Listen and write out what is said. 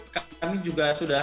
kami juga sudah